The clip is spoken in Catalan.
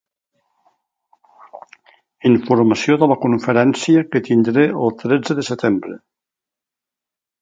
Informació de la conferència que tindré el tretze de setembre.